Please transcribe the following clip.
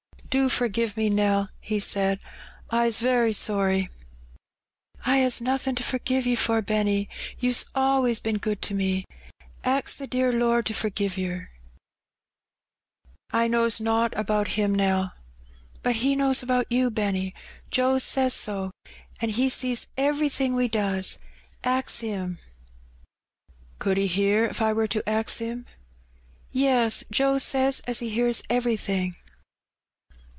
"Do forgive me, Nell," he said "I's very sorry." "I *a8 nothin' to forpve you for, Benny; you'a always been good to me. Ax the dear Lord to foi^ve yer." )6 Heb Benny. a I knows nowt about Him^ Nell/' "But He knows about you, Benny — Joe says so; and He sees everything we does. Ax Him/' "Could He hear if I wur to ax Him?'' "Yes, Joe says as He hears everything."